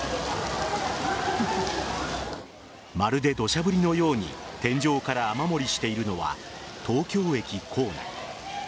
まるで土砂降りのように天井から雨漏りしているのは東京駅構内。